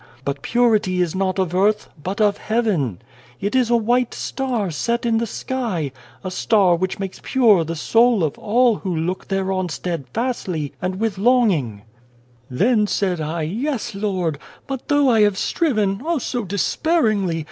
But purity is not of earth, but of heaven. It is a white star set in the sky a star which makes pure the soul of all who look thereon steadfastly and with longing/ "Then said I, 'Yes, Lord, but though I have striven oh, so despairingly!